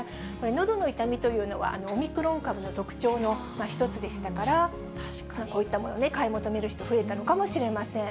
のどの痛みというのは、オミクロン株の特徴の一つでしたから、こういったものね、買い求める人、増えたのかもしれません。